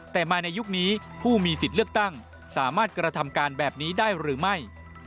แต่มาในยุคนี้ผู้มีสิทธิ์เลือกตั้งสามารถกระทำการแบบนี้ได้หรือไม่